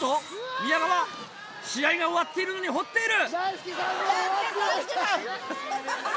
宮川試合が終わっているのに掘っている！